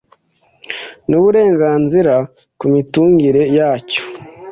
n uburenganzira ku mitungire yacyo